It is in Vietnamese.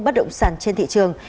bất động sản trên thị trường